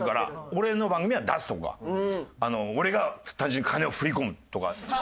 俺の番組は出すとか俺が単純に金を振り込むとか。